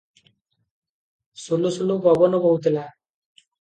ସୁଲୁ ସୁଲୁ ପବନ ବୋହୁଥିଲା ।